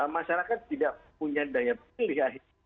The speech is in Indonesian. masyarakat tidak punya daya pilih